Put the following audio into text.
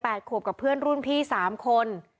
ขวบกับเพื่อนรุ่นพี่สามคน